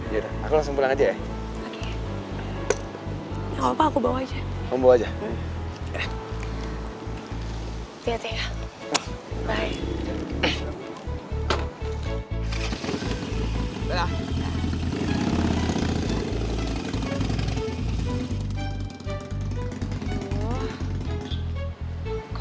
yaudah aku langsung pulang aja ya